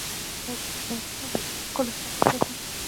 کتابچه کې باید ښکلی خط وکارېږي